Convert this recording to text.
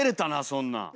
そんなん。